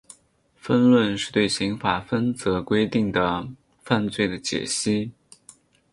分论是对刑法分则规定的犯罪的解析。